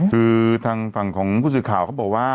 คือทางเพิ่งของพฤศิข่าวเค้าบอกว่า